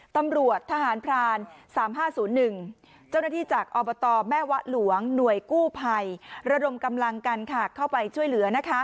ตำรวจทหารพราน๓๕๐๑เจ้าหน้าที่จากอบตแม่วะหลวงหน่วยกู้ภัยระดมกำลังกันเข้าไปช่วยเหลือ